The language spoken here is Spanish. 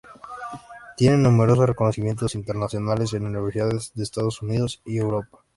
Tiene numerosos reconocimientos internacionales en universidades de Estados Unidos y Europa.